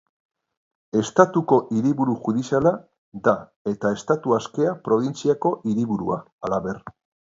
Estatuko hiriburu judiziala da eta Estatu Askea probintziako hiriburua, halaber.